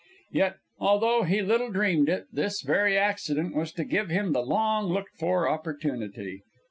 Yet, although he little dreamed it, this very accident was to give him the long looked for opportunity.